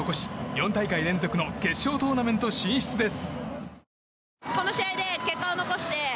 ４大会連続の決勝トーナメント進出です。